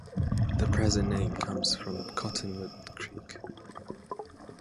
The present name comes from Cottonwood Creek.